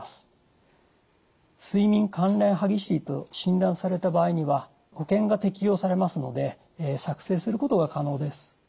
睡眠関連歯ぎしりと診断された場合には保険が適用されますので作成することが可能です。